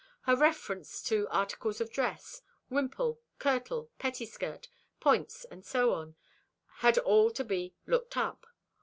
Her reference to articles of dress—wimple, kirtle, pettieskirt, points and so on, had all to be "looked up."